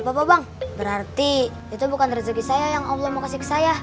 di parabang berarti itu bukan rezeki saya yang omno maksud saya